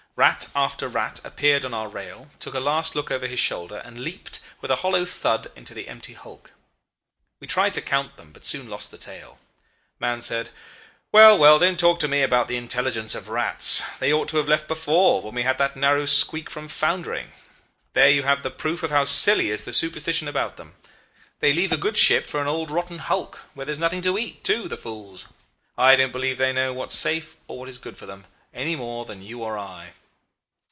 Rat after rat appeared on our rail, took a last look over his shoulder, and leaped with a hollow thud into the empty hulk. We tried to count them, but soon lost the tale. Mahon said: 'Well, well! don't talk to me about the intelligence of rats. They ought to have left before, when we had that narrow squeak from foundering. There you have the proof how silly is the superstition about them. They leave a good ship for an old rotten hulk, where there is nothing to eat, too, the fools!... I don't believe they know what is safe or what is good for them, any more than you or I.